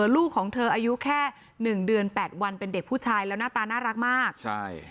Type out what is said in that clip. ลูกของเธออายุแค่หนึ่งเดือนแปดวันเป็นเด็กผู้ชายแล้วหน้าตาน่ารักมากใช่